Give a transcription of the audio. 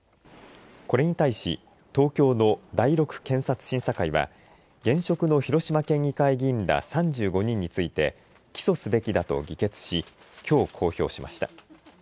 これに対し、東京の第６検察審査会は現職の広島県議会議員ら３５人について、起訴すべきだと議決しきょう公表しました。